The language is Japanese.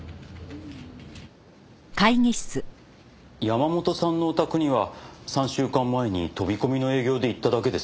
山本さんのお宅には３週間前に飛び込みの営業で行っただけです。